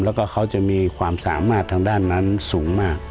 แล้วก็เขาจะมีความสามารถทางด้านนั้นสูงมาก